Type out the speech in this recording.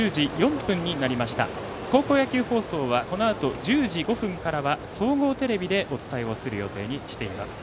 高校野球放送は１０時５分から総合テレビでお伝えする予定にしています。